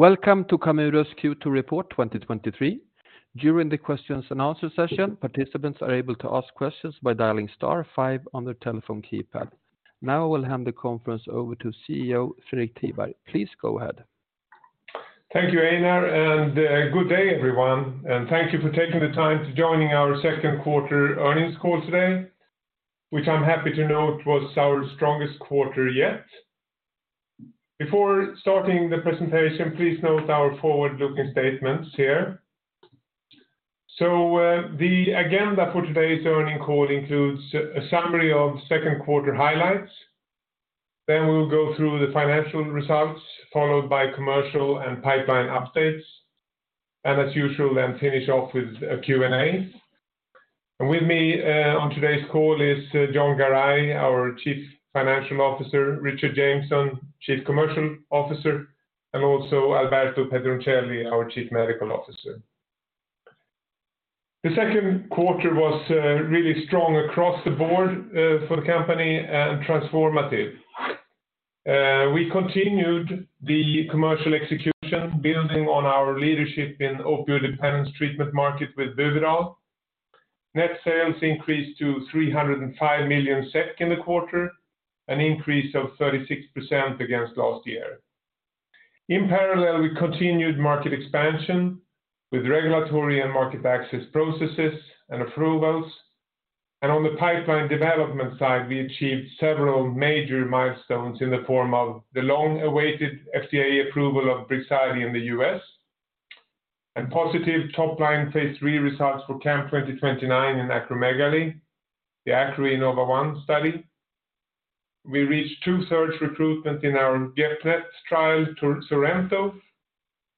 Welcome to Camurus Q2 Report 2023. During the questions-and-answer session, participants are able to ask questions by dialing star five on their telephone keypad. Now I will hand the conference over to CEO, Fredrik Tiberg. Please go ahead. Thank you, Einar. Good day, everyone, and thank you for taking the time to joining our second quarter earnings call today, which I'm happy to note was our strongest quarter yet. Before starting the presentation, please note our forward-looking statements here. The agenda for today's earnings call includes a summary of second quarter highlights. We'll go through the financial results, followed by commercial and pipeline updates, as usual, then finish off with a Q&A. With me on today's call is Jon Garay, our Chief Financial Officer, Richard Jameson, Chief Commercial Officer, and also Alberto Pedroncelli, our Chief Medical Officer. The second quarter was really strong across the board for the company and transformative. We continued the commercial execution, building on our leadership in opioid dependence treatment market with Buvidal. Net sales increased to 305 million SEK in the quarter, an increase of 36% against last year. In parallel, we continued market expansion with regulatory and market access processes and approvals, and on the pipeline development side, we achieved several major milestones in the form of the long-awaited FDA approval of Brixadi in the U.S., and positive top line phase III results for CAM2029 in acromegaly, the ACROINNOVA 1 study. We reached two-thirds recruitment in our GEP-NETs trial, SORENTO,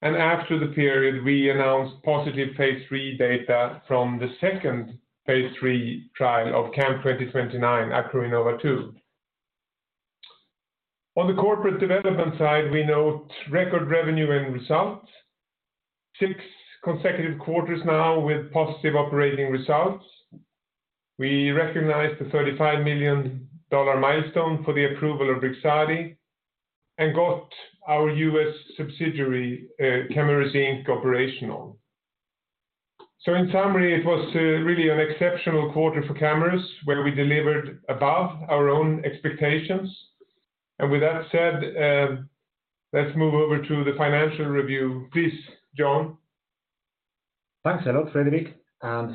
and after the period, we announced positive phase III data from the second phase III trial of CAM2029, ACROINNOVA 2. On the corporate development side, we note record revenue and results. Six consecutive quarters now with positive operating results. We recognized the $35 million milestone for the approval of Brixadi and got our U.S. subsidiary, Camurus Inc. operational. In summary, it was really an exceptional quarter for Camurus, where we delivered above our own expectations. With that said, let's move over to the financial review. Please, Jon. Thanks a lot, Fredrik.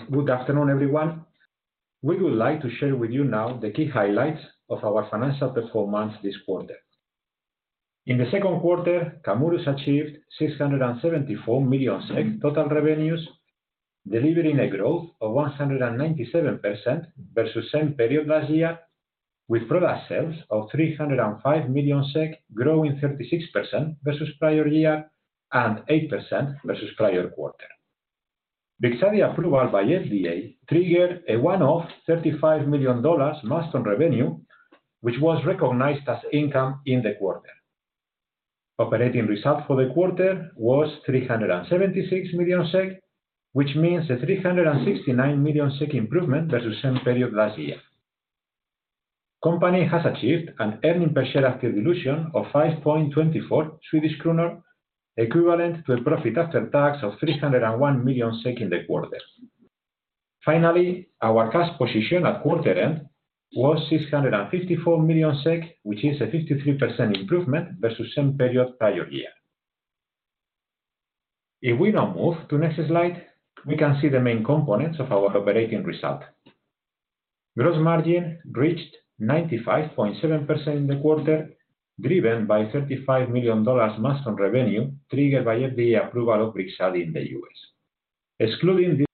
Good afternoon, everyone. We would like to share with you now the key highlights of our financial performance this quarter. In the second quarter, Camurus achieved 674 million SEK total revenues, delivering a growth of 197% versus same period last year, with product sales of 305 million SEK, growing 36% versus prior year and 8% versus prior quarter. Brixadi approval by FDA triggered a one-off $35 million milestone revenue, which was recognized as income in the quarter. Operating result for the quarter was 376 million SEK, which means a 369 million SEK improvement versus same period last year. Company has achieved an earning per share after dilution of 5.24 Swedish kronor, equivalent to a profit after tax of 301 million SEK in the quarter. Finally, our cash position at quarter end was 654 million, which is a 53% improvement versus same period prior year. If we now move to next slide, we can see the main components of our operating result. Gross margin reached 95.7% in the quarter, driven by $35 million milestone revenue, triggered by FDA approval of Brixadi in the U.S. Excluding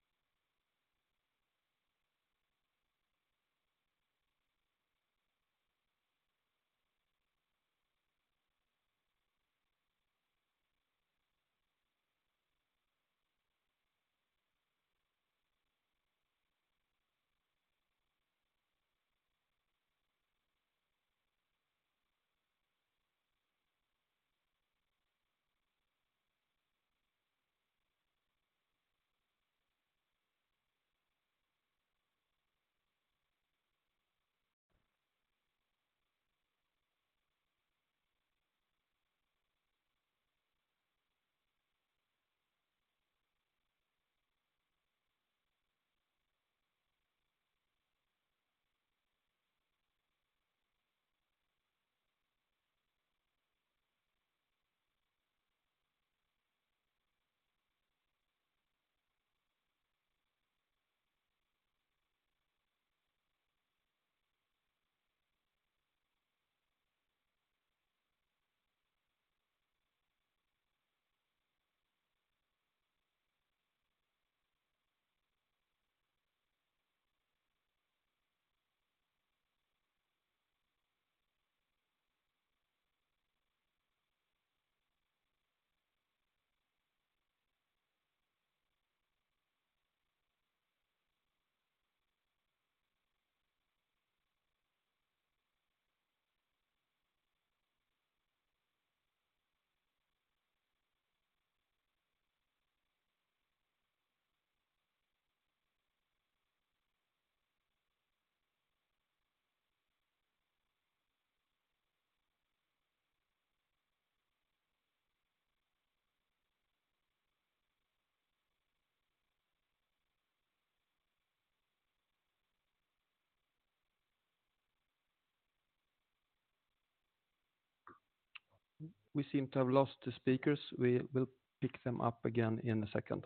this. We seem to have lost the speakers. We will pick them up again in a second.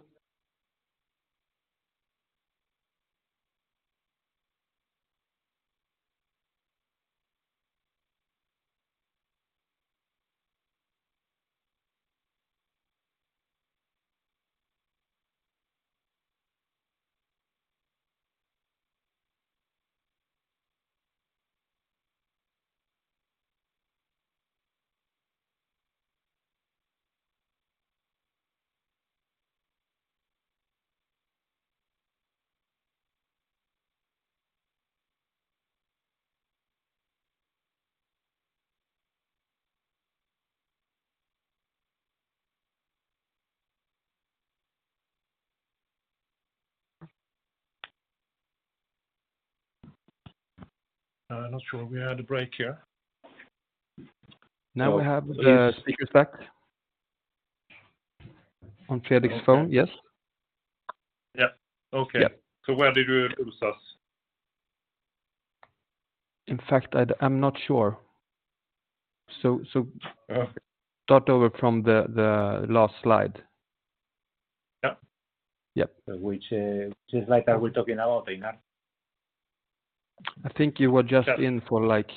Not sure. We had a break here. Now we have the speakers back on Fredrik's phone. Yes. Yeah. Okay. Yeah. Where did you lose us? In fact, I'm not sure. Start over from the last slide. Yep. Which, which slide are we talking about, Einar? I think you were just in for like,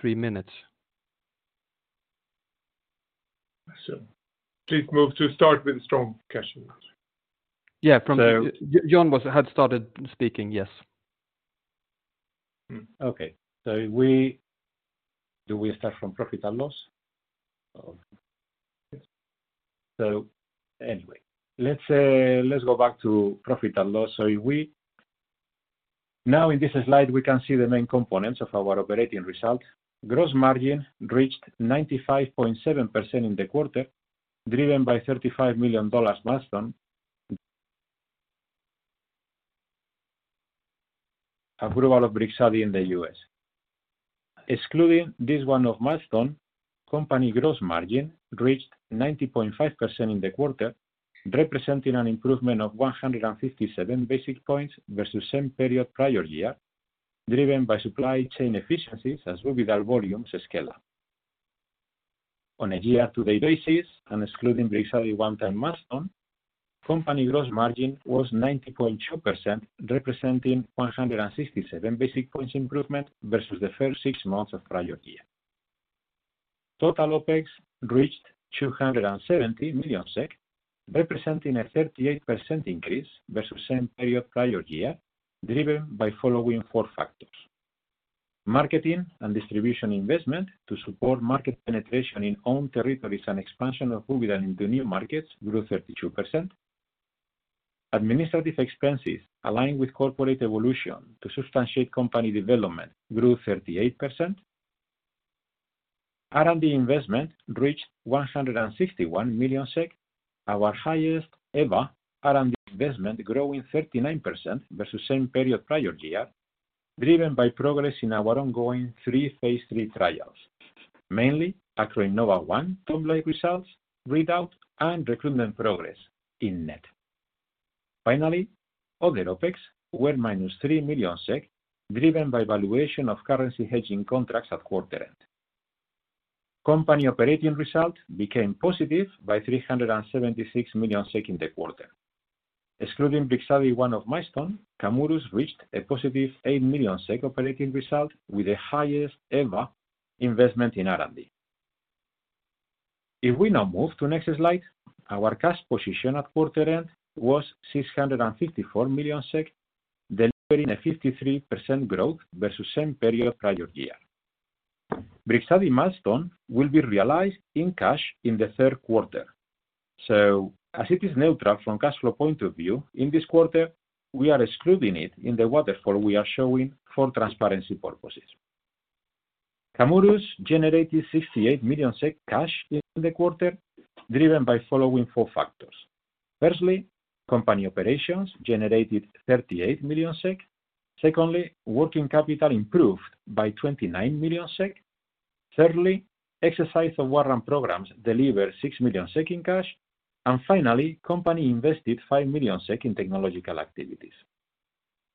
3 minutes. Please move to start with strong cash flows. Yeah, Jon had started speaking, yes. Okay. Do we start from profit and loss? Anyway, let's go back to profit and loss. We, now in this slide, we can see the main components of our operating results. Gross margin reached 95.7% in the quarter, driven by $35 million milestone, approval of Brixadi in the U.S. Excluding this one-off milestone, company gross margin reached 90.5% in the quarter, representing an improvement of 157 basic points versus same period prior year, driven by supply chain efficiencies, as well as our volumes scale up. On a year-to-date basis, and excluding Brixadi one-time milestone, company gross margin was 90.2%, representing 167 basic points improvement versus the first six months of prior year. Total OpEx reached 270 million SEK, representing a 38% increase versus same period prior year, driven by following four factors: Marketing and distribution investment to support market penetration in own territories and expansion of Buvidal into new markets grew 32%. Administrative expenses, aligned with corporate evolution to substantiate company development, grew 38%. R&D investment reached 161 million SEK, our highest ever R&D investment, growing 39% versus same period prior year, driven by progress in our ongoing three phase III trials, mainly ACROINNOVA 1, top-line results, readout, and recruitment progress in net. Other OpEx were minus 3 million SEK, driven by valuation of currency hedging contracts at quarter end. Company operating result became positive by 376 million SEK in the quarter. Excluding Brixadi one-off milestone, Camurus reached a positive 8 million SEK operating result with the highest ever investment in R&D. If we now move to the next slide, our cash position at quarter end was 654 million SEK, delivering a 53% growth versus same period prior year. Brixadi milestone will be realized in cash in the third quarter. As it is neutral from cash flow point of view, in this quarter, we are excluding it in the waterfall we are showing for transparency purposes. Camurus generated 68 million SEK cash in the quarter, driven by following four factors. Firstly, company operations generated 38 million SEK. Secondly, working capital improved by 29 million SEK. Thirdly, exercise of warrant programs delivered 6 million SEK in cash. Finally, company invested 5 million SEK in technological activities.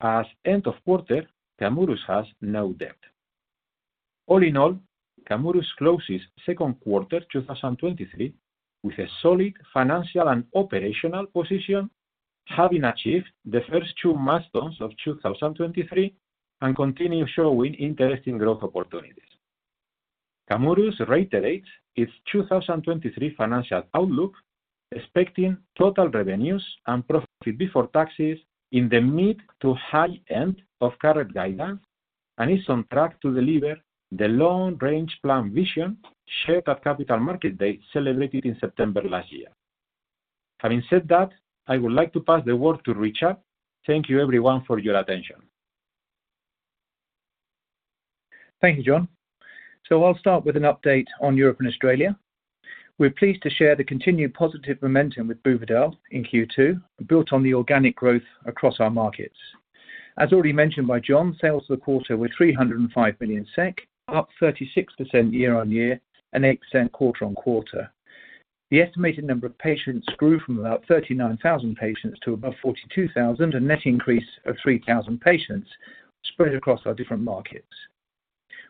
As end of quarter, Camurus has no debt. All in all, Camurus closes second quarter 2023 with a solid financial and operational position, having achieved the first two milestones of 2023, and continue showing interesting growth opportunities. Camurus reiterates its 2023 financial outlook, expecting total revenues and profit before taxes in the mid to high end of current guidance, and is on track to deliver the long-range plan vision shared at Capital Market Date celebrated in September last year. Having said that, I would like to pass the word to Richard. Thank you everyone for your attention. Thank you, Jon. I'll start with an update on Europe and Australia. We're pleased to share the continued positive momentum with Buvidal in Q2, built on the organic growth across our markets. As already mentioned by Jon, sales for the quarter were 305 million SEK, up 36% year-on-year and 8% quarter-on-quarter. The estimated number of patients grew from about 39,000 patients to above 42,000, a net increase of 3,000 patients spread across our different markets.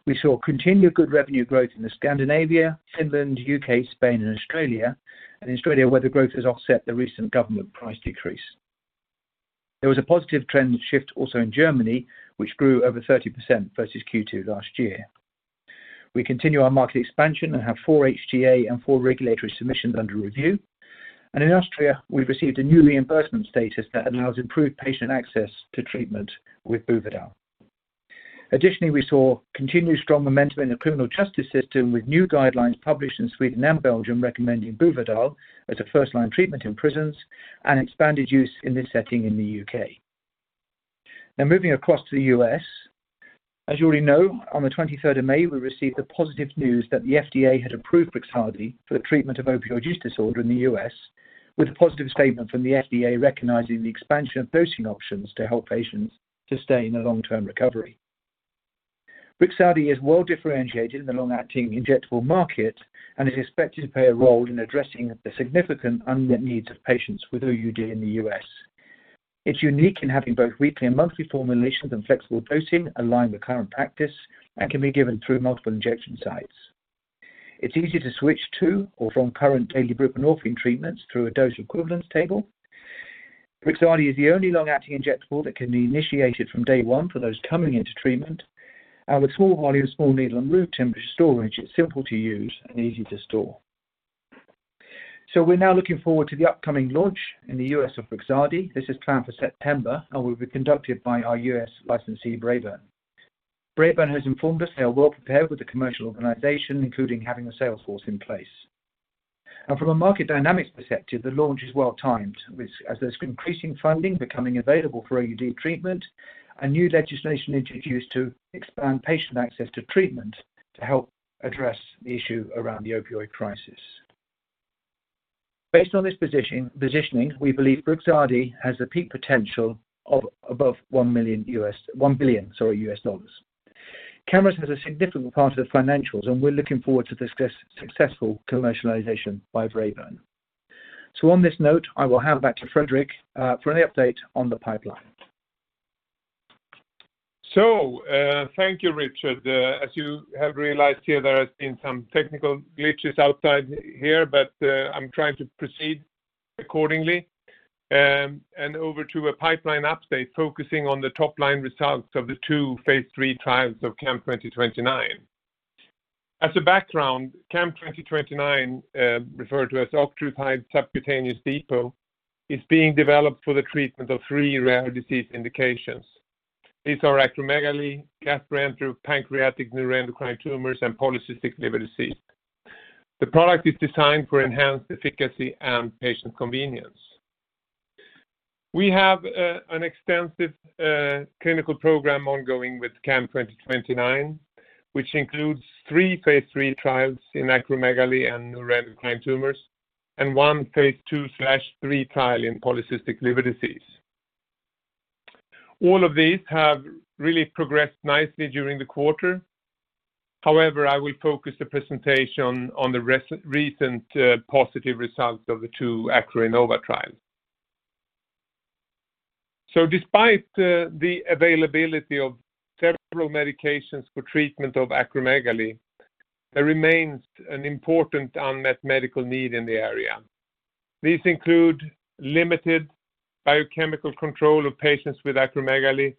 We saw continued good revenue growth in the Scandinavia, Finland, UK, Spain, and Australia. And Australia, where the growth has offset the recent government price decrease. There was a positive trend shift also in Germany, which grew over 30% versus Q2 last year. We continue our market expansion and have 4 HTA and 4 regulatory submissions under review. In Austria, we've received a new reimbursement status that allows improved patient access to treatment with Buvidal. Additionally, we saw continued strong momentum in the criminal justice system, with new guidelines published in Sweden and Belgium recommending Buvidal as a first-line treatment in prisons and expanded use in this setting in the U.K. Now moving across to the U.S. As you already know, on the 23rd of May, we received the positive news that the FDA had approved Brixadi for the treatment of opioid use disorder in the U.S., with a positive statement from the FDA recognizing the expansion of dosing options to help patients to stay in a long-term recovery. Brixadi is well-differentiated in the long-acting injectable market and is expected to play a role in addressing the significant unmet needs of patients with OUD in the U.S. It's unique in having both weekly and monthly formulations and flexible dosing align with current practice and can be given through multiple injection sites. It's easy to switch to or from current daily buprenorphine treatments through a dose equivalence table. Brixadi is the only long-acting injectable that can be initiated from day one for those coming into treatment. With small volume, small needle, and room temperature storage, it's simple to use and easy to store. We're now looking forward to the upcoming launch in the U.S. of Brixadi. This is planned for September and will be conducted by our U.S. licensee, Braeburn. Braeburn has informed us they are well-prepared with the commercial organization, including having a sales force in place. From a market dynamics perspective, the launch is well-timed, as there's increasing funding becoming available for OUD treatment and new legislation introduced to expand patient access to treatment to help address the issue around the opioid crisis. Based on this positioning, we believe Brixadi has a peak potential of above $1 billion. Camurus is a significant part of the financials, and we're looking forward to this successful commercialization by Braeburn. On this note, I will hand back to Fredrik for an update on the pipeline. Thank you, Richard. As you have realized here, there has been some technical glitches outside here, but I'm trying to proceed accordingly. Over to a pipeline update, focusing on the top-line results of the two phase III trials of CAM2029. As a background, CAM2029, referred to as octreotide SC depot, is being developed for the treatment of 3 rare disease indications. These are acromegaly, gastroenteropancreatic neuroendocrine tumors, and polycystic liver disease. The product is designed for enhanced efficacy and patient convenience. We have an extensive clinical program ongoing with CAM2029, which includes three phase III trials in acromegaly and neuroendocrine tumors, and one phase II/III trial in polycystic liver disease. All of these have really progressed nicely during the quarter. However, I will focus the presentation on the recent positive results of the two ACROINNOVA trials. Despite the availability of several medications for treatment of acromegaly, there remains an important unmet medical need in the area. These include limited biochemical control of patients with acromegaly,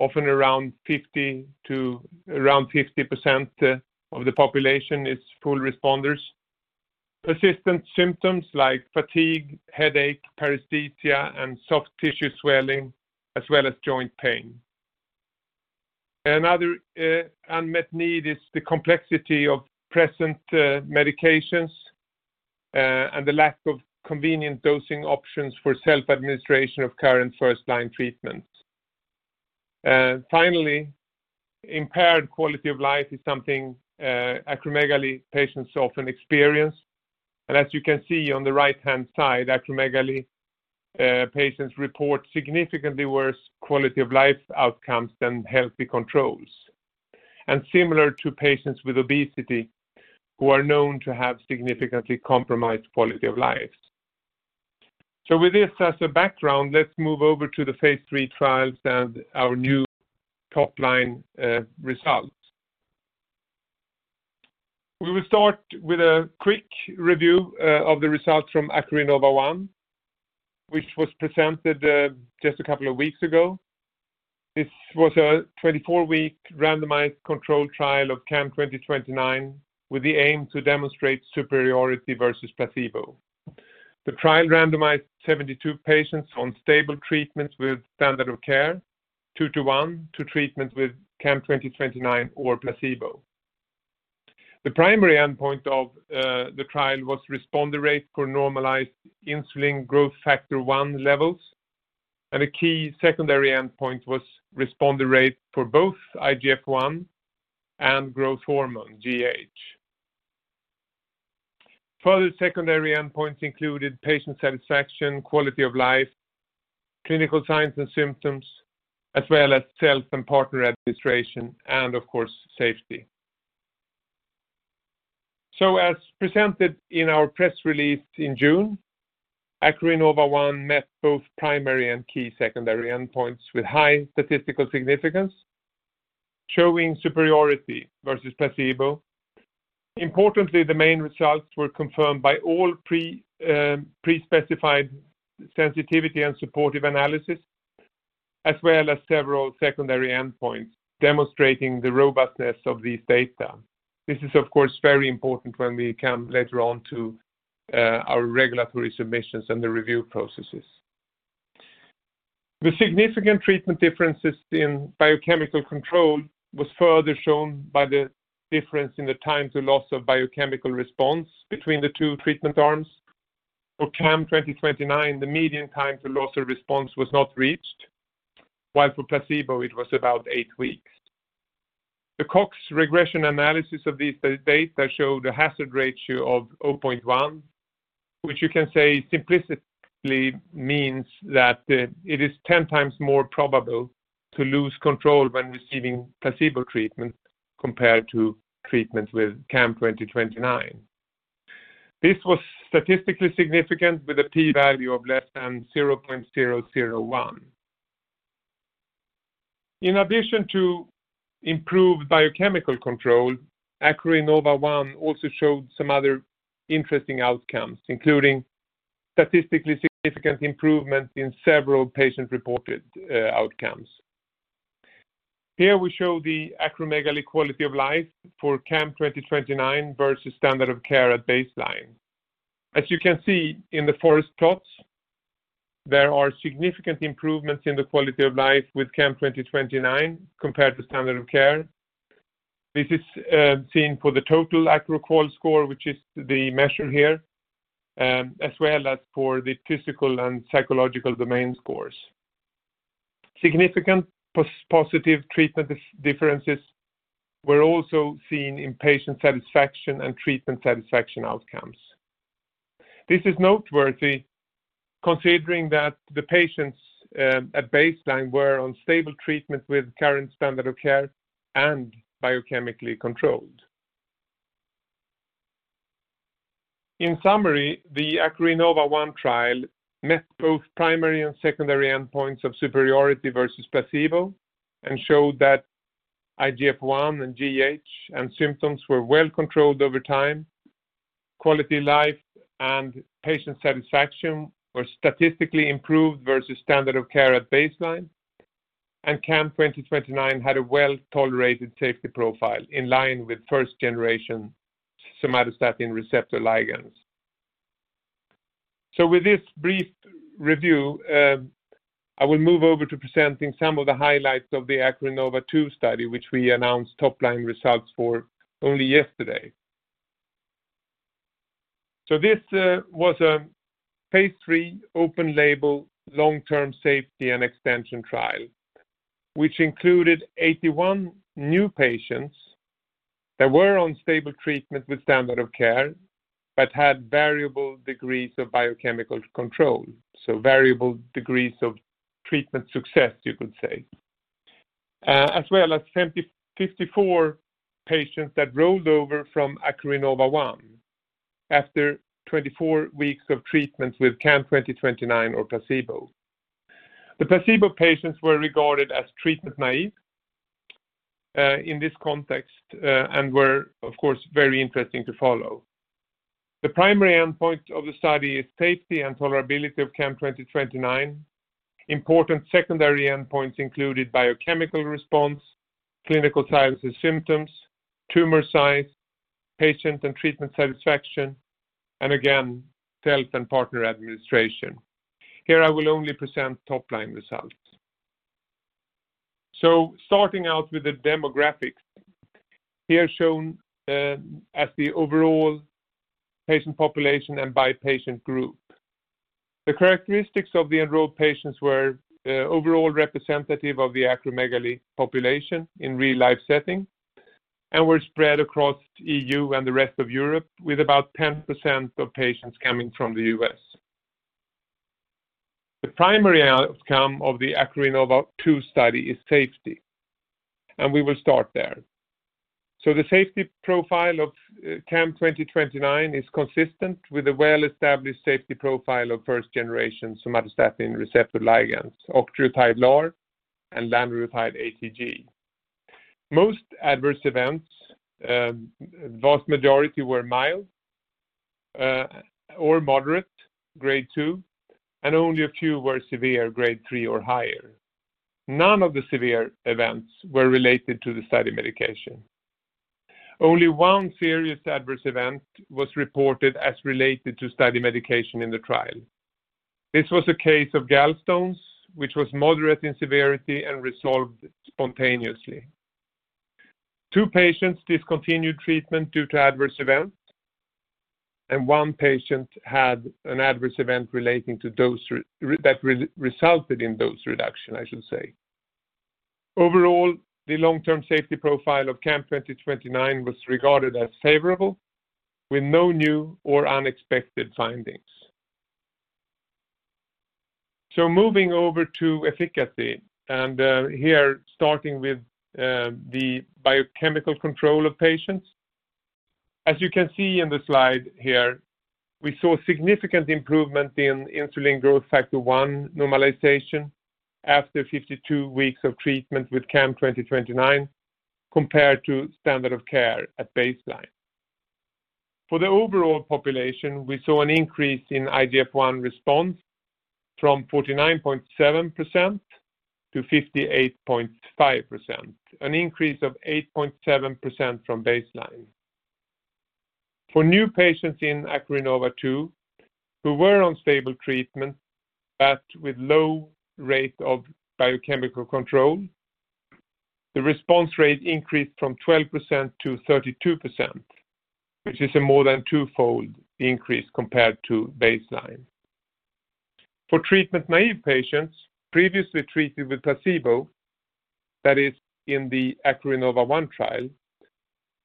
often around 50% to around 50% of the population is full responders. Persistent symptoms like fatigue, headache, paresthesia, and soft tissue swelling, as well as joint pain. Another unmet need is the complexity of present medications and the lack of convenient dosing options for self-administration of current first-line treatments. Finally, impaired quality of life is something acromegaly patients often experience. As you can see on the right-hand side, acromegaly patients report significantly worse quality of life outcomes than healthy controls, and similar to patients with obesity, who are known to have significantly compromised quality of lives. With this as a background, let's move over to the phase III trials and our new top-line results. We will start with a quick review of the results from ACROINNOVA 1, which was presented just a couple of weeks ago. This was a 24-week randomized controlled trial of CAM2029, with the aim to demonstrate superiority versus placebo. The trial randomized 72 patients on stable treatment with standard of care, two to one, to treatment with CAM2029 or placebo. The primary endpoint of the trial was responder rate for normalized insulin growth factor one levels. A key secondary endpoint was responder rate for both IGF-1 and growth hormone, GH. Further secondary endpoints included patient satisfaction, quality of life, clinical signs and symptoms, as well as self and partner administration, and of course, safety. As presented in our press release in June, ACROINNOVA 1 met both primary and key secondary endpoints with high statistical significance, showing superiority versus placebo. Importantly, the main results were confirmed by all pre-specified sensitivity and supportive analysis, as well as several secondary endpoints demonstrating the robustness of these data. This is, of course, very important when we come later on to our regulatory submissions and the review processes. The significant treatment differences in biochemical control was further shown by the difference in the time to loss of biochemical response between the two treatment arms. For CAM2029, the median time to loss of response was not reached, while for placebo it was about eight weeks. The Cox regression analysis of these data showed a hazard ratio of 0.1, which you can say simplistically means that it is 10x more probable to lose control when receiving placebo treatment compared to treatment with CAM2029. This was statistically significant with a p-value of less than 0.001. In addition to improved biochemical control, ACROINNOVA 1 also showed some other interesting outcomes, including statistically significant improvement in several patient-reported outcomes. Here we show the acromegaly quality of life for CAM2029 versus standard of care at baseline. As you can see in the forest plots, there are significant improvements in the quality of life with CAM2029 compared to standard of care. This is seen for the total AcroQoL score, which is the measure here, as well as for the physical and psychological domain scores. Significant positive treatment differences were also seen in patient satisfaction and treatment satisfaction outcomes. This is noteworthy considering that the patients, at baseline were on stable treatment with current standard of care and biochemically controlled. In summary, the ACROINNOVA 1 trial met both primary and secondary endpoints of superiority versus placebo and showed that IGF-1 and GH and symptoms were well controlled over time. Quality of life and patient satisfaction were statistically improved versus standard of care at baseline, and CAM2029 had a well-tolerated safety profile in line with first-generation somatostatin receptor ligands. With this brief review, I will move over to presenting some of the highlights of the ACROINNOVA 2 study, which we announced top-line results for only yesterday. This was a phase III open label long-term safety and extension trial, which included 81 new patients that were on stable treatment with standard of care but had variable degrees of biochemical control, so variable degrees of treatment success, you could say. As well as 54 patients that rolled over from ACROINNOVA 1 after 24 weeks of treatment with CAM2029 or placebo. The placebo patients were regarded as treatment naive in this context and were, of course, very interesting to follow. The primary endpoint of the study is safety and tolerability of CAM2029. Important secondary endpoints included biochemical response, clinical signs and symptoms, tumor size, patient and treatment satisfaction, and again, self and partner administration. Here, I will only present top-line results. Starting out with the demographics, here shown as the overall patient population and by patient group. The characteristics of the enrolled patients were overall representative of the acromegaly population in real-life setting and were spread across EU and the rest of Europe, with about 10% of patients coming from the US. The primary outcome of the ACROINNOVA 2 study is safety. We will start there. The safety profile of CAM2029 is consistent with a well-established safety profile of first-generation somatostatin receptor ligands, octreotide LAR and lanreotide ATG. Most adverse events, vast majority were mild or moderate, grade 2, and only a few were severe, grade 3 or higher. None of the severe events were related to the study medication. Only one serious adverse event was reported as related to study medication in the trial. This was a case of gallstones, which was moderate in severity and resolved spontaneously. 2 patients discontinued treatment due to adverse events, and 1 patient had an adverse event relating to dose that resulted in dose reduction, I should say. Overall, the long-term safety profile of CAM2029 was regarded as favorable, with no new or unexpected findings. Moving over to efficacy, here starting with the biochemical control of patients. As you can see in the slide here, we saw significant improvement in Insulin-like growth factor 1 normalization after 52 weeks of treatment with CAM2029, compared to standard of care at baseline. For the overall population, we saw an increase in IGF-1 response from 49.7%-58.5%, an increase of 8.7% from baseline. For new patients in ACROINNOVA 2, who were on stable treatment but with low rate of biochemical control, the response rate increased from 12%-32%, which is a more than twofold increase compared to baseline. For treatment-naive patients previously treated with placebo, that is in the ACROINNOVA 1 trial,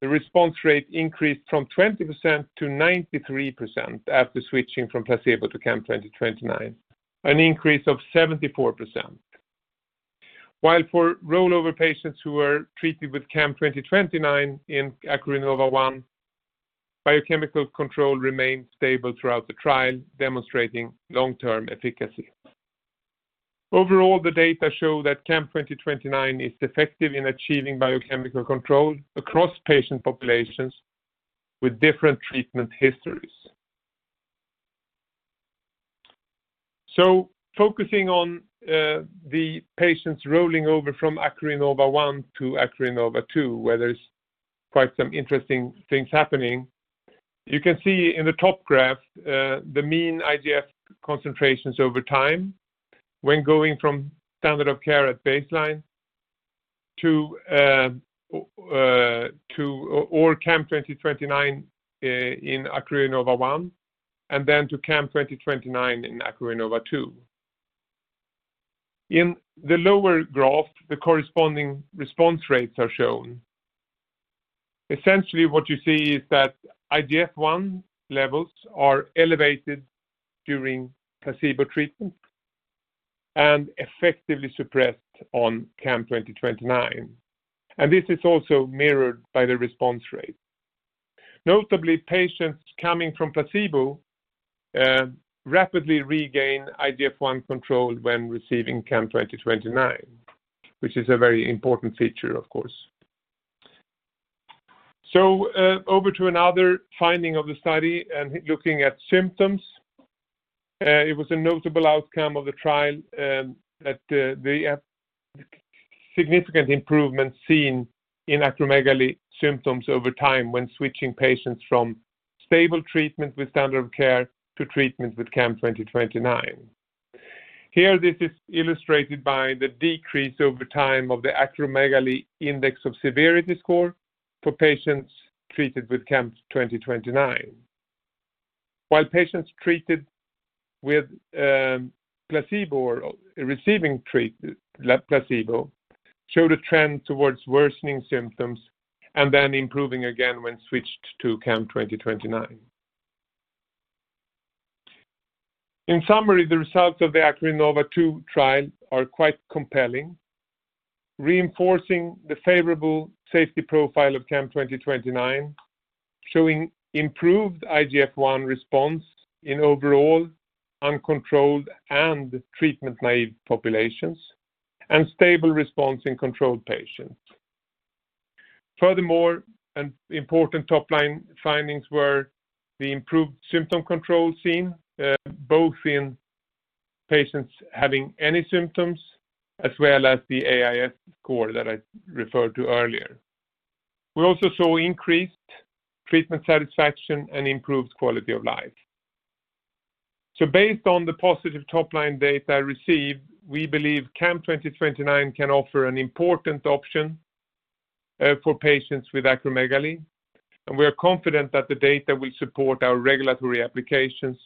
the response rate increased from 20%-93% after switching from placebo to CAM2029, an increase of 74%. While for rollover patients who were treated with CAM2029 in ACROINNOVA 1, biochemical control remained stable throughout the trial, demonstrating long-term efficacy. Overall, the data show that CAM2029 is effective in achieving biochemical control across patient populations with different treatment histories. Focusing on the patients rolling over from ACROINNOVA 1 to ACROINNOVA 2, where there's quite some interesting things happening. You can see in the top graph, the mean IGF-1 concentrations over time when going from standard of care at baseline to CAM2029 in ACROINNOVA 1. Then to CAM2029 in ACROINNOVA 2. In the lower graph, the corresponding response rates are shown. Essentially, what you see is that IGF-1 levels are elevated during placebo treatment and effectively suppressed on CAM2029. This is also mirrored by the response rate. Notably, patients coming from placebo rapidly regain IGF-1 control when receiving CAM2029, which is a very important feature, of course. Over to another finding of the study and looking at symptoms, it was a notable outcome of the trial that they have significant improvements seen in acromegaly symptoms over time when switching patients from stable treatment with standard of care to treatment with CAM2029. Here, this is illustrated by the decrease over time of the Acromegaly Index of Severity score for patients treated with CAM2029. While patients treated with placebo or receiving placebo, showed a trend towards worsening symptoms and then improving again when switched to CAM2029. The results of the ACROINNOVA 2 trial are quite compelling, reinforcing the favorable safety profile of CAM2029, showing improved IGF-1 response in overall uncontrolled and treatment-naive populations, and stable response in controlled patients. An important top-line findings were the improved symptom control seen both in patients having any symptoms as well as the AIS score that I referred to earlier. We also saw increased treatment satisfaction and improved quality of life. Based on the positive top-line data received, we believe CAM2029 can offer an important option for patients with acromegaly, and we are confident that the data will support our regulatory applications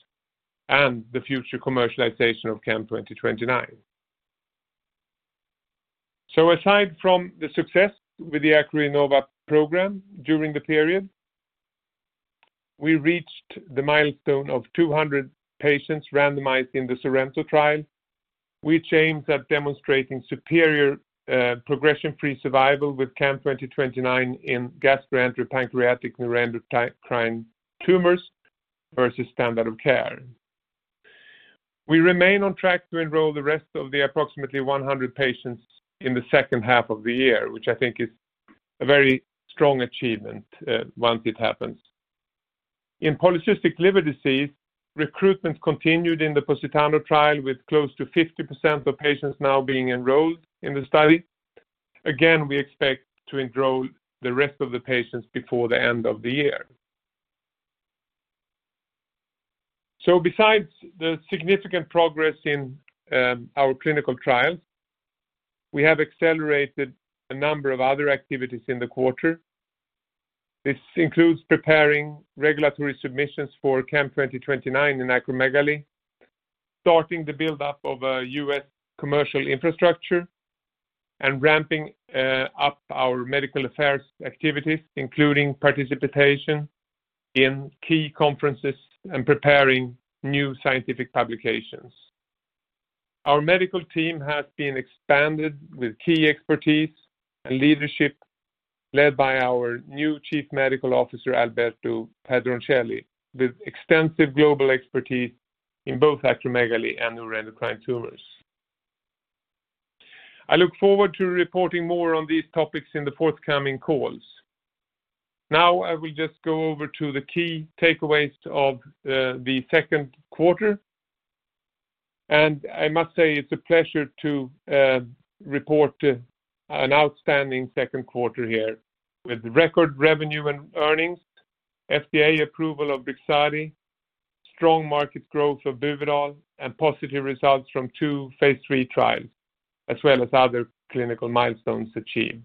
and the future commercialization of CAM2029. Aside from the success with the ACROINNOVA program during the period, we reached the milestone of 200 patients randomized in the SORENTO trial, which aims at demonstrating superior progression-free survival with CAM2029 in gastroenteropancreatic neuroendocrine tumors versus standard of care. We remain on track to enroll the rest of the approximately 100 patients in the second half of the year, which I think is a very strong achievement once it happens. In polycystic liver disease, recruitment continued in the POSITANO trial, with close to 50% of patients now being enrolled in the study. We expect to enroll the rest of the patients before the end of the year. Besides the significant progress in our clinical trials, we have accelerated a number of other activities in the quarter. This includes preparing regulatory submissions for CAM2029 in acromegaly, starting the buildup of a U.S. commercial infrastructure, and ramping up our medical affairs activities, including participation in key conferences and preparing new scientific publications. Our medical team has been expanded with key expertise and leadership, led by our new Chief Medical Officer, Alberto Pedroncelli, with extensive global expertise in both acromegaly and neuroendocrine tumors. I look forward to reporting more on these topics in the forthcoming calls. I will just go over to the key takeaways of the second quarter, and I must say it's a pleasure to report an outstanding second quarter here with record revenue and earnings, FDA approval of Brixadi, strong market growth of Buvidal, and positive results from two phase III trials, as well as other clinical milestones achieved.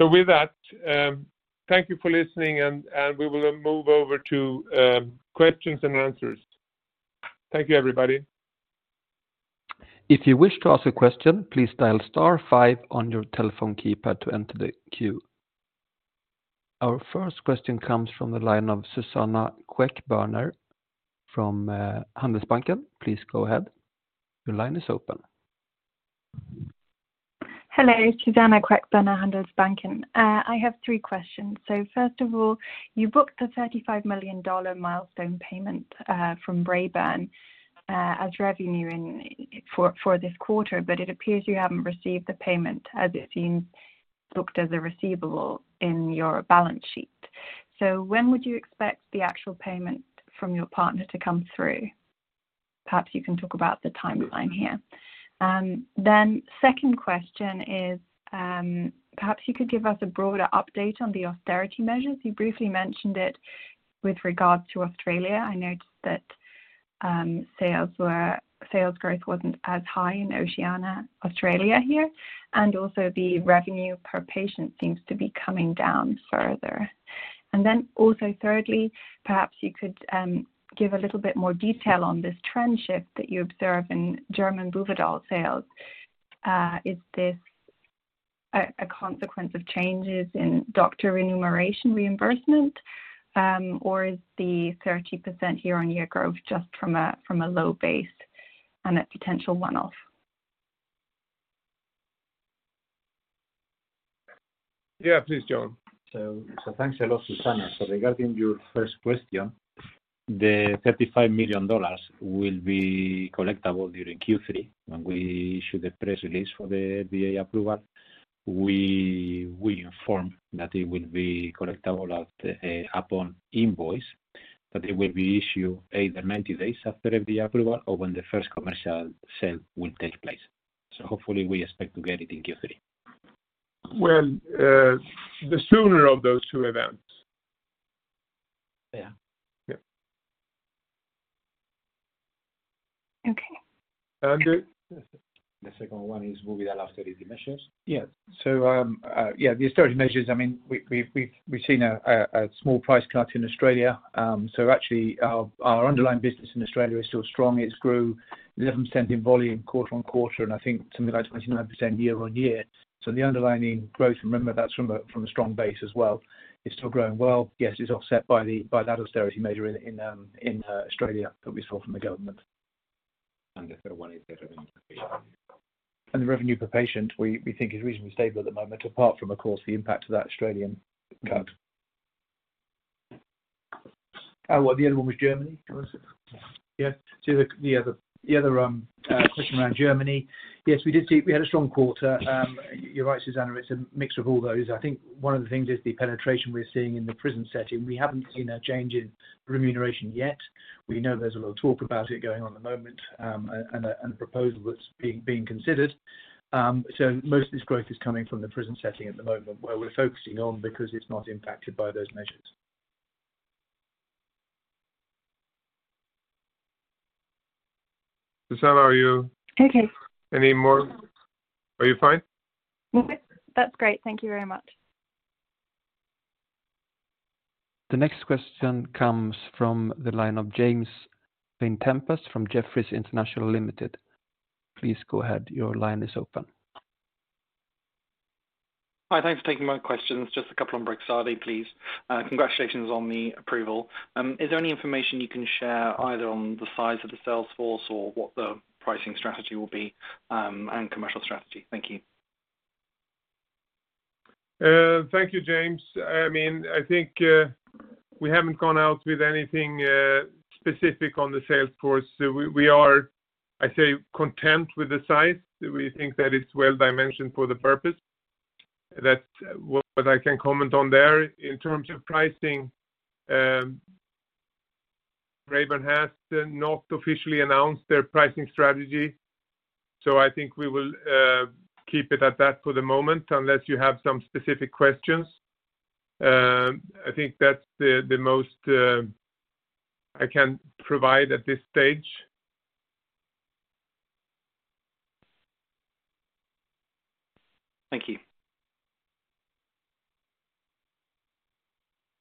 With that, thank you for listening, and we will move over to questions-and-answers. Thank you, everybody. If you wish to ask a question, please dial star five on your telephone keypad to enter the queue. Our first question comes from the line of Suzanna Queckbörner from Handelsbanken. Please go ahead. Your line is open. Hello, Suzanna Queckbörner, Handelsbanken. I have three questions. First of all, you booked a $35 million milestone payment from Braeburn as revenue for this quarter, but it appears you haven't received the payment, as it's been booked as a receivable in your balance sheet. When would you expect the actual payment from your partner to come through? Perhaps you can talk about the timeline here. Second question is, perhaps you could give us a broader update on the austerity measures. You briefly mentioned it with regard to Australia. I noticed that sales growth wasn't as high in Oceania, Australia here, and also the revenue per patient seems to be coming down further. Thirdly, perhaps you could give a little bit more detail on this trend shift that you observe in German Buvidal sales. Is this a consequence of changes in doctor remuneration reimbursement, or is the 30% year-over-year growth just from a low base and a potential one-off? Yeah, please, Jon. Thanks a lot, Suzanna. Regarding your first question, the $35 million will be collectible during Q3. When we issue the press release for the FDA approval, we will inform that it will be collectible upon invoice, but it will be issued either 90 days after FDA approval or when the first commercial sale will take place. Hopefully, we expect to get it in Q3. Well, the sooner of those two events. Yeah. Yeah. Okay. And the- The second one is Buvidal austerity measures. Yeah, the austerity measures, I mean, we've seen a small price cut in Australia. Actually, our underlying business in Australia is still strong. It's grew 11% in volume, quarter-on-quarter, and I think something like 29% year-on-year. The underlying growth, remember, that's from a strong base as well, is still growing well. Yes, it's offset by that austerity measure in Australia that we saw from the government. The third one is the revenue per patient. The revenue per patient, we think is reasonably stable at the moment, apart from, of course, the impact of that Australian cut. Well, the other one was Germany, was it? Yeah. The other question around Germany. Yes, we did see, we had a strong quarter. You're right, Suzanna, it's a mix of all those. I think one of the things is the penetration we're seeing in the prison setting. We haven't seen a change in remuneration yet. We know there's a lot of talk about it going on at the moment, and a proposal that's being considered. Most of this growth is coming from the prison setting at the moment, where we're focusing on because it's not impacted by those measures. Suzanna, are you? Okay. Any more? Are you fine? Yes. That's great. Thank you very much. The next question comes from the line of James Vane-Tempest from Jefferies International Limited. Please go ahead. Your line is open. Hi, thanks for taking my questions. Just a couple on Brixadi, please. Congratulations on the approval. Is there any information you can share either on the size of the sales force or what the pricing strategy will be, and commercial strategy? Thank you. Thank you, James. I mean, I think, we haven't gone out with anything specific on the sales force. We are, I say, content with the size. We think that it's well-dimensioned for the purpose. That's what I can comment on there. In `terms of pricing, Braeburn has not officially announced their pricing strategy. I think we will keep it at that for the moment, unless you have some specific questions. I think that's the most I can provide at this stage. Thank you.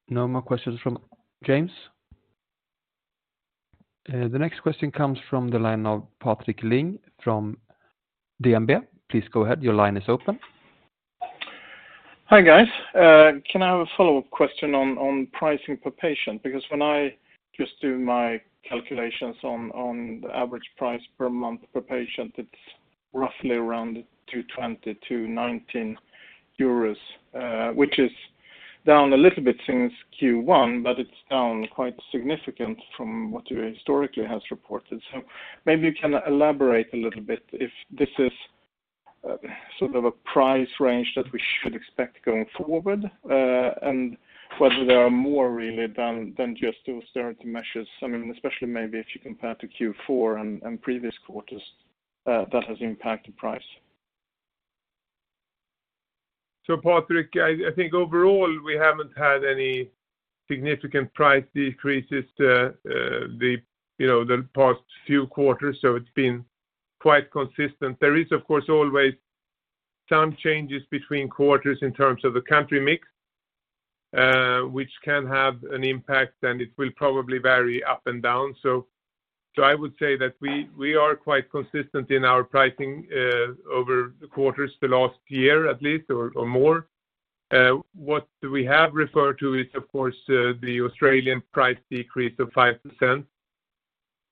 No more questions from James. The next question comes from the line of Patrik Ling from DNB Markets. Please go ahead. Your line is open. Hi, guys. Can I have a follow-up question on pricing per patient? When I just do my calculations on the average price per month per patient, it's roughly around 220-19 euros, which is down a little bit since Q1, but it's down quite significant from what you historically has reported. Maybe you can elaborate a little bit if this is sort of a price range that we should expect going forward, and whether there are more really than just those certainty measures. I mean, especially maybe if you compare to Q4 and previous quarters, that has impacted price. Patrick, I think overall, we haven't had any significant price decreases to the, you know, the past few quarters. It's been quite consistent. There is, of course, always some changes between quarters in terms of the country mix, which can have an impact, and it will probably vary up and down. I would say that we are quite consistent in our pricing over the quarters the last year at least, or more. What we have referred to is, of course, the Australian price decrease of 5%.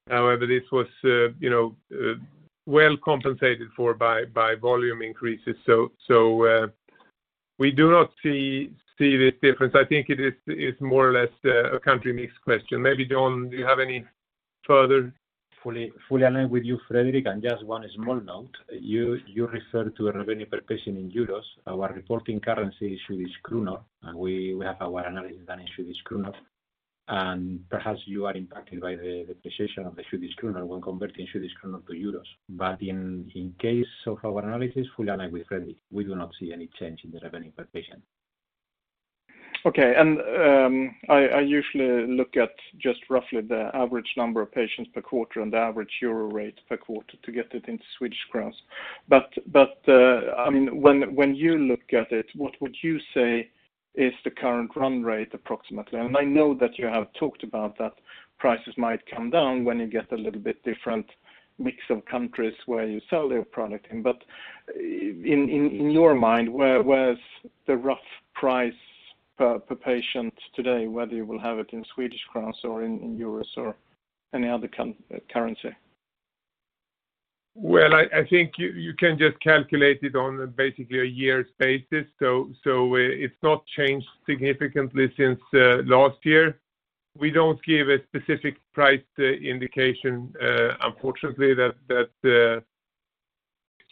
However, this was, you know, well compensated for by volume increases. We do not see this difference. I think it's more or less a country mix question. Maybe, John, do you have any further? Fully align with you, Fredrik, just one small note. You refer to a revenue per patient in euros. Our reporting currency is Swedish kronor, and we have our analysis done in Swedish kronor. Perhaps you are impacted by the precision of the Swedish kronor when converting Swedish kronor to euros. In case of our analysis, fully align with Fredrik, we do not see any change in the revenue per patient. Okay. I usually look at just roughly the average number of patients per quarter and the average euro rate per quarter to get it into Swedish kronor. I mean, when you look at it, what would you say is the current run rate, approximately? I know that you have talked about that prices might come down when you get a little bit different mix of countries where you sell your product in. But in your mind, where's the rough price per patient today, whether you will have it in Swedish kronor or in euro or any other currency? Well, I think you can just calculate it on basically a year's basis. It's not changed significantly since last year. We don't give a specific price indication unfortunately.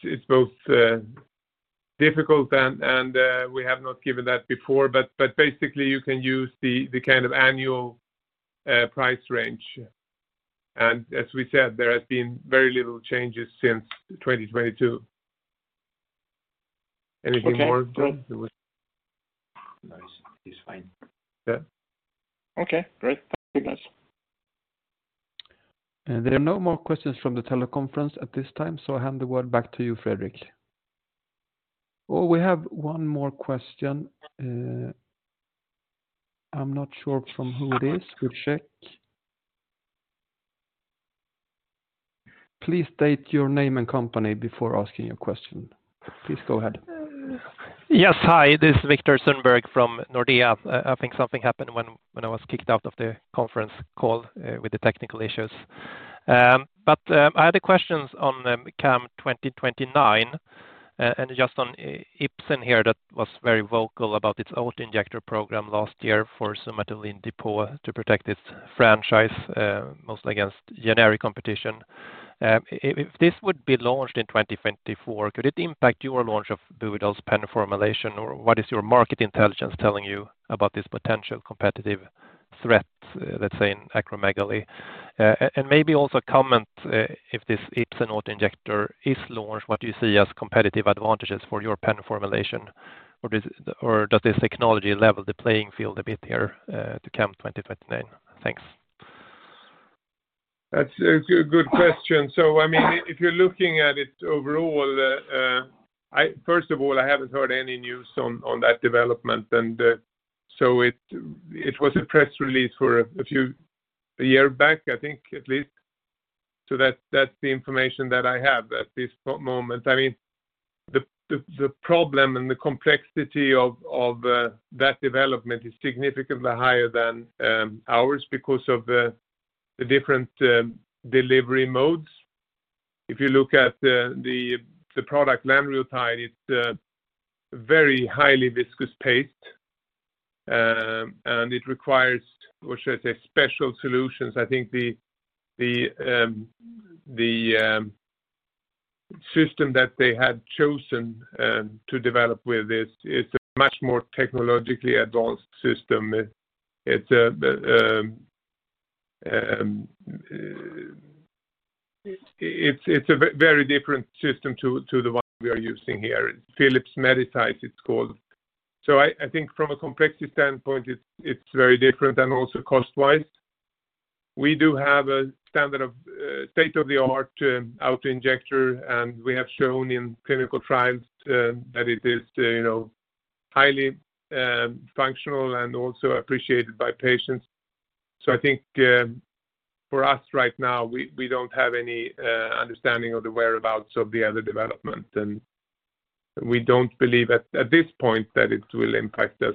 It's both difficult and we have not given that before, but basically, you can use the kind of annual price range. As we said, there has been very little changes since 2022. Anything more, Jon? No, it's fine. Yeah. Okay, great. Thank you, guys. There are no more questions from the teleconference at this time, I hand the word back to you, Fredrik. We have one more question. I'm not sure from who it is. We'll check. Please state your name and company before asking your question. Please go ahead. Yes, hi, this is Viktor Sundberg from Nordea. I think something happened when I was kicked out of the conference call with the technical issues. I had a questions on the CAM2029 and just on Ipsen here, that was very vocal about its auto-injector program last year for Somatuline Depot to protect its franchise mostly against generic competition. If this would be launched in 2024, could it impact your launch of Budose pen formulation, or what is your market intelligence telling you about this potential competitive threat, let's say, in acromegaly? And maybe also comment, if this Ipsen auto-injector is launched, what do you see as competitive advantages for your pen formulation? Or does this technology level the playing field a bit here to CAM2029? Thanks. That's a good question. I mean, if you're looking at it overall, first of all, I haven't heard any news on that development, and so it was a press release for a few, a year back, I think, at least. That's the information that I have at this moment. I mean, the problem and the complexity of that development is significantly higher than ours because of the different delivery modes. If you look at the product lanreotide, it's a very highly viscous paste, and it requires, what should I say, special solutions. I think the system that they had chosen to develop with this is a much more technologically advanced system. It's, it's a very different system to the one we are using here. Phillips-Medisize, it's called. I think from a complexity standpoint, it's very different, and also cost-wise. We do have a standard of state-of-the-art auto-injector, and we have shown in clinical trials that it is, you know, highly functional and also appreciated by patients. I think for us right now, we don't have any understanding of the whereabouts of the other development, and we don't believe at this point that it will impact us.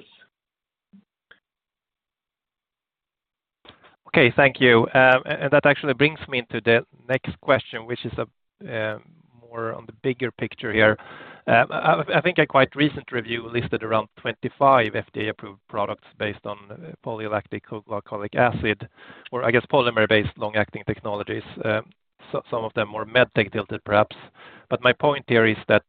Okay, thank you. That actually brings me to the next question, which is more on the bigger picture here. I think a quite recent review listed around 25 FDA-approved products based on polylactic glycolic acid, or I guess, polymer-based long-acting technologies. Some of them were med tech tilted, perhaps. My point here is that,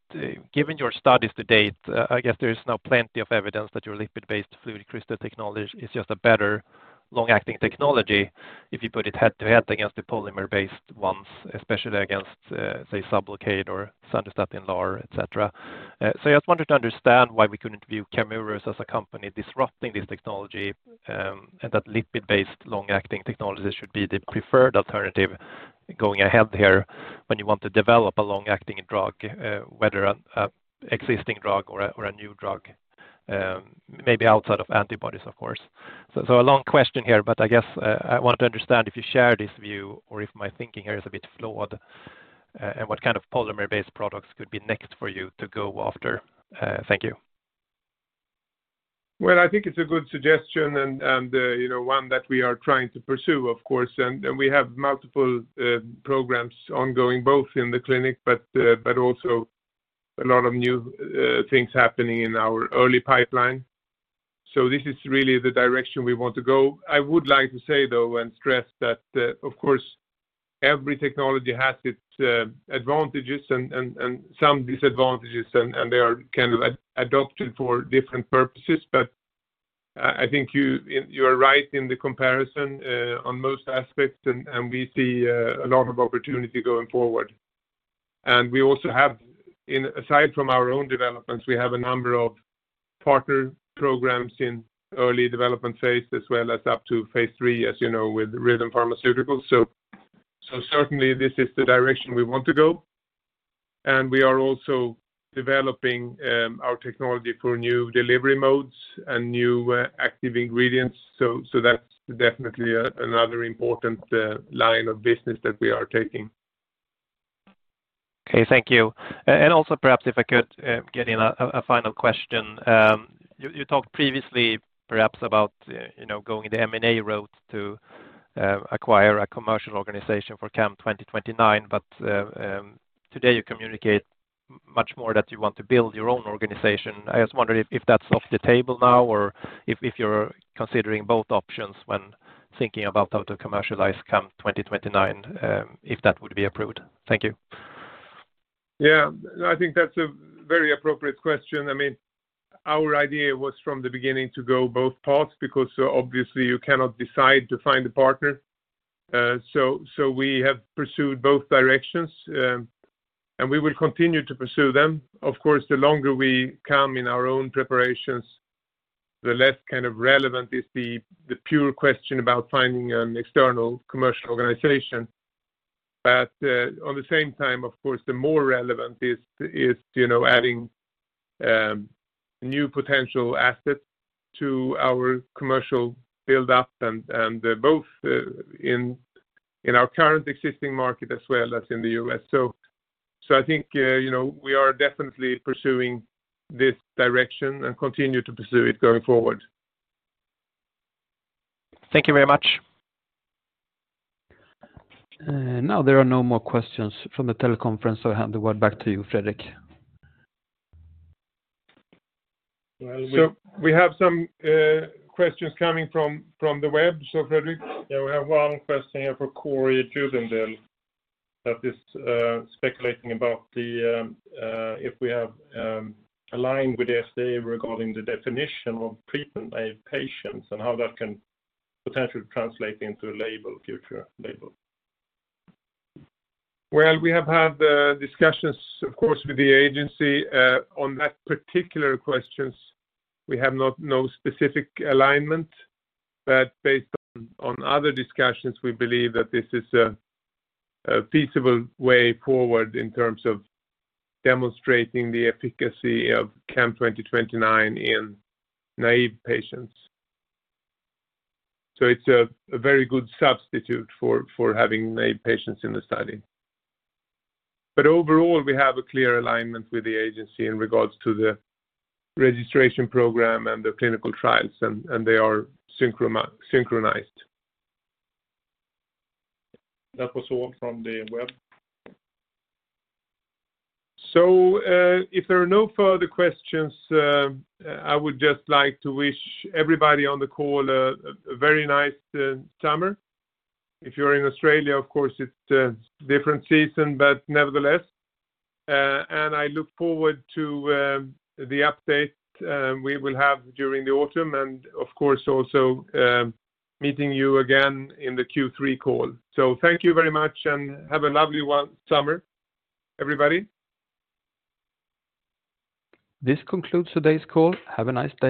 given your studies to date, I guess there is now plenty of evidence that your lipid-based FluidCrystal technology is just a better long-acting technology if you put it head-to-head against the polymer-based ones, especially against, say, Sublocade or Sandostatin LAR, et cetera. I just wanted to understand why we couldn't view Camurus as a company disrupting this technology, and that lipid-based long-acting technology should be the preferred alternative going ahead here when you want to develop a long-acting drug, whether an existing drug or a new drug, maybe outside of antibodies, of course. A long question here, I guess, I wanted to understand if you share this view or if my thinking here is a bit flawed, and what kind of polymer-based products could be next for you to go after? Thank you. Well, I think it's a good suggestion and, you know, one that we are trying to pursue, of course, and we have multiple programs ongoing, both in the clinic, but also a lot of new things happening in our early pipeline. This is really the direction we want to go. I would like to say, though, and stress that, of course, every technology has its advantages and some disadvantages, and they are kind of adopted for different purposes. I think you are right in the comparison on most aspects, and we see a lot of opportunity going forward. We also have in, aside from our own developments, we have a number of partner programs in early development phase, as well as up to phase III, as you know, with Rhythm Pharmaceuticals. Certainly this is the direction we want to go, and we are also developing our technology for new delivery modes and new active ingredients. That's definitely another important line of business that we are taking. Okay, thank you. Also, perhaps if I could get in a final question. You talked previously perhaps about, you know, going the M&A route to acquire a commercial organization for CAM2029, but today you communicate much more that you want to build your own organization. I was wondering if that's off the table now or if you're considering both options when thinking about how to commercialize CAM2029, if that would be approved. Thank you. Yeah, I think that's a very appropriate question. I mean, our idea was from the beginning to go both paths, because obviously you cannot decide to find a partner. We have pursued both directions, and we will continue to pursue them. Of course, the longer we come in our own preparations, the less kind of relevant is the pure question about finding an external commercial organization. On the same time, of course the more relevant is, you know, adding new potential assets to our commercial build-up, and both in our current existing market as well as in the U.S. I think, you know, we are definitely pursuing this direction and continue to pursue it going forward. Thank you very much. Now there are no more questions from the teleconference, so I hand the word back to you, Fredrik. We have some questions coming from the web. Fredrik, we have one question here from Corey Jubinville that is speculating about the if we have aligned with the FDA regarding the definition of treatment-naive patients and how that can potentially translate into a label, future label. Well, we have had discussions, of course, with the agency. On that particular questions, we have no specific alignment, based on other discussions, we believe that this is a feasible way forward in terms of demonstrating the efficacy of CAM2029 in naive patients. It's a very good substitute for having naive patients in the study. Overall, we have a clear alignment with the agency in regards to the registration program and the clinical trials, and they are synchronized. That was all from the web. If there are no further questions, I would just like to wish everybody on the call a very nice summer. If you're in Australia, of course, it's a different season, but nevertheless, I look forward to the update we will have during the autumn and of course, also, meeting you again in the Q3 call. Thank you very much and have a lovely one, summer, everybody. This concludes today's call. Have a nice day.